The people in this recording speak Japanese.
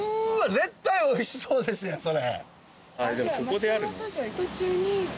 絶対おいしそうですやんそれ。